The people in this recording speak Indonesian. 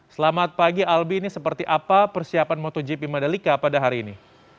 selamat pagi albi ini seperti apa persiapan motogp madalika pada hari ini